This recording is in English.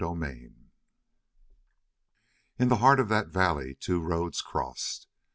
CHAPTER 20 In the heart of that valley two roads crossed.